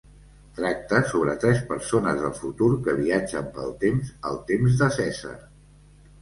Tracta sobre tres persones del futur que viatgen pel temps al temps de Cèsar.